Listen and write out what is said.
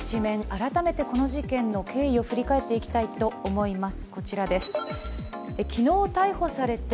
改めてこの事件の経緯を振り返っていきたいと思います。